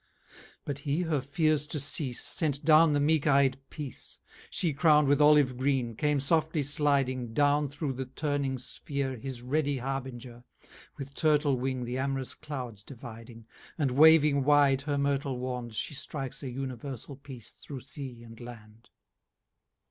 III But he her fears to cease, Sent down the meek eyd Peace, She crown'd with Olive green, came softly sliding Down through the turning sphear His ready Harbinger, With Turtle wing the amorous clouds dividing, 50 And waving wide her mirtle wand, She strikes a universall Peace through Sea and Land.